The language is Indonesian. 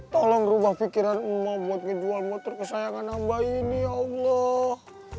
tolong ubah pikiran emak buat ngejual motor kesayangan hamba ini ya allah